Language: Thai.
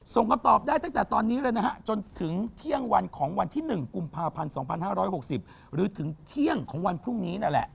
คำตอบได้ตั้งแต่ตอนนี้เลยนะฮะจนถึงเที่ยงวันของวันที่๑กุมภาพันธ์๒๕๖๐หรือถึงเที่ยงของวันพรุ่งนี้นั่นแหละ